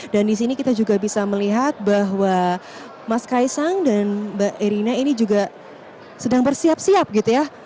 dan di sini kita juga bisa melihat bahwa mas kaisang dan mbak irina ini juga sedang bersiap siap gitu ya